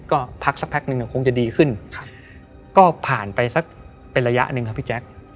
ก็พักสักพักหนึ่งคงจะดีขึ้นก็ผ่านไปสักเป็นระยะหนึ่งครับพี่แจ๊ค